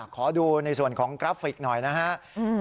ขอดูในส่วนของกราฟิกหน่อยนะครับ